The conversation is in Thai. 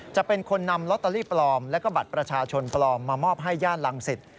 จะเป็นคนนำลอตเตอรี่ปลอมและก็บัตรประชาชนปลอมมามอบให้ย่านรังสิต